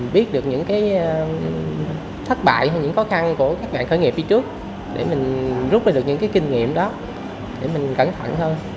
biết được những cái thất bại hay những khó khăn của các bạn khởi nghiệp phía trước để mình rút ra được những cái kinh nghiệm đó để mình cẩn thận hơn